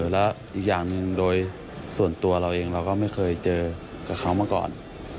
แล้วอีกอย่างหนึ่งโดยส่วนตัวเราเองเราก็ไม่เคยเจอกับเขามาก่อน